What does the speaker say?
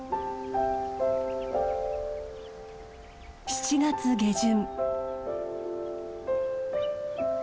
７月下旬。